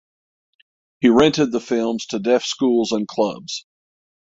He rented the films to deaf schools and clubs.